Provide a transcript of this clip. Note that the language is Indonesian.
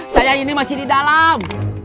saya ini masih di dalam